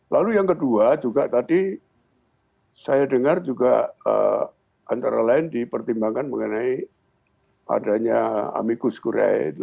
lalu yang kedua juga tadi saya dengar juga antara lain dipertimbangkan mengenai adanya amicus kure